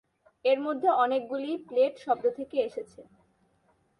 এর মধ্যে অনেকগুলিই প্লেট শব্দ থেকে এসেছে।